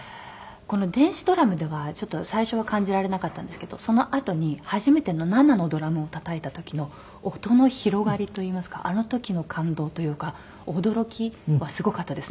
この電子ドラムでは最初は感じられなかったんですけどそのあとに初めての生のドラムをたたいた時の音の広がりといいますかあの時の感動というか驚きはすごかったですね。